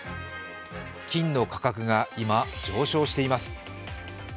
金の価格が今、上昇しています。